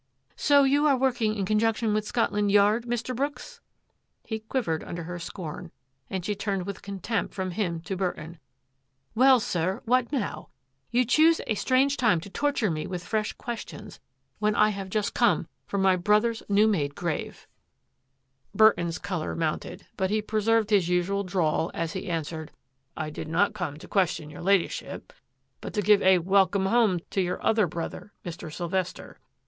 " So you are working in conjunction with Scotland Yard, Mr. Brooks?" He quivered under her scorn, and she turned with contempt from him to Burton. " Well, sir, what now? You choose a strange time to torture me with fresh questions — when I have but just come from my brother's new made grave." 118 THAT AFFAIR AT THE MANOR Burton's colour mounted, but he preserved his usual drawl as he answered, " I did not come to question your Ladyship, but to give a * welcome home ' to your other brother, Mr. Sylvester.